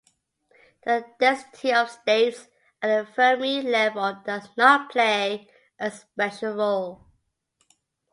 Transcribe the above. The density of states at the Fermi level does not play a special role.